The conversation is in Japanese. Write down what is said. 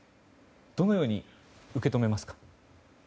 どのように受け止めますか？